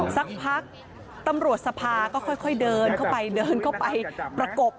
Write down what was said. สักพักตำรวจสภาก็ค่อยเดินเข้าไปประกบ